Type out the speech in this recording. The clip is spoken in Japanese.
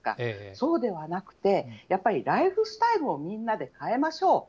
そうではなくて、やっぱりライフスタイルをみんなで変えましょう。